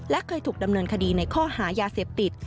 และเคยถูกดำเนินคดีในข้อหายาเสพติด